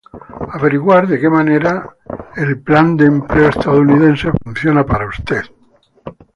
Averiguar de qué manera el Plan de Empleo Estadounidense funciona para usted